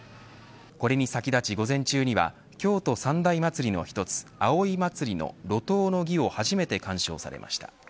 これに先立ち、午前中には京都三大祭りの１つ葵祭の路頭の儀を初めて鑑賞されました。